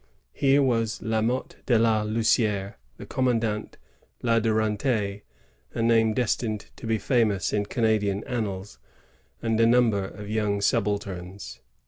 Here was La Motte de la Lucidre, the commandant; La Durantaye, a name destined to be famous in Canadian annals ; and a number of young subalterns.